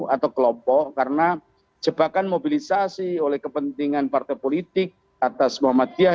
atau kelompok karena jebakan mobilisasi oleh kepentingan partai politik atas muhammadiyah